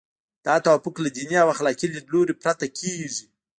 دا توافق له دیني او اخلاقي لیدلوري پرته کیږي.